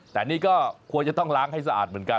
แต่นี่ก็ควรจะต้องล้างให้สะอาดเหมือนกัน